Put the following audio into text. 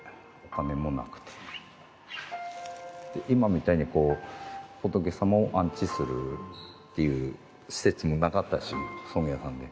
今みたいに仏様を安置するっていう施設もなかったし葬儀屋さんで。